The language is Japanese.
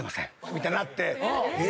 ⁉みたいになって。